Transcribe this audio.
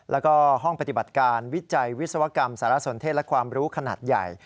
แล้วก็ห้องปฏิบัติการวิจัยวิศวกรรมสารสนเทศและความรู้ขนาดใหญ่